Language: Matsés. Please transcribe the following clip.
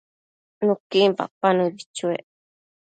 Nuquin papa nëbi chuec